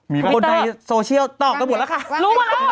มีมั้ยมีมั้ยคะคอมพิวเตอร์คนในโซเชียลต้องกระบวนละกัน